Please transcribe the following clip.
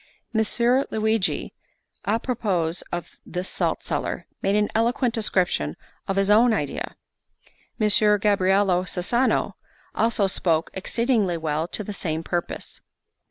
Messer Luigi, apropos of this salt cellar, made an eloquent description of his own idea; Messer Gabriello Cesano also spoke exceedingly well to the same purpose.